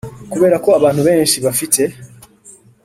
Kubera ko abantu benshi bafite